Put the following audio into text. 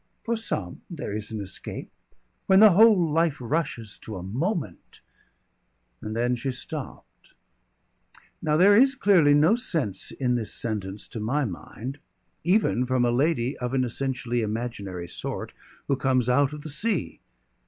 "For some there is an escape. When the whole life rushes to a moment " And then she stopped. Now there is clearly no sense in this sentence to my mind, even from a lady of an essentially imaginary sort, who comes out of the sea.